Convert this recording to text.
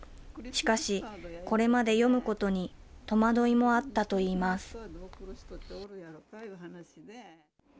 しかし、これまで読むことに戸惑いもあったといいます。